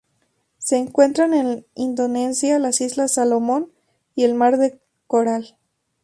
Se encuentran en Indonesia las Islas Salomón y el Mar del Coral.